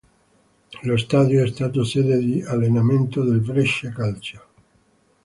Lo stadio è stato sede di allenamento del Brescia Calcio.